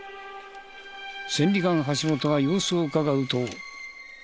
千里眼橋本が様子をうかがうと。